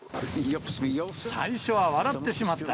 最初は笑ってしまった。